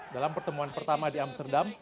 dalam pertemuan pertama di amsterdam